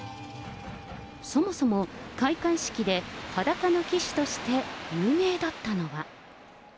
そもそも、開会式で裸の旗手として有名だったのは。